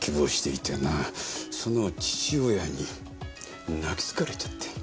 その父親に泣きつかれちゃって。